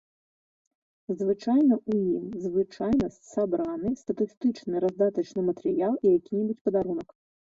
Звычайна ў ім звычайна сабраны статыстычны раздатачны матэрыял і які-небудзь падарунак.